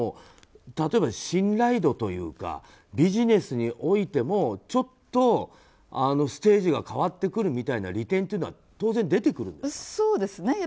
例えば、信頼度とかビジネスにおいてもちょっと、ステージが変わってくるみたいな利点というのは当然出てくるんですか？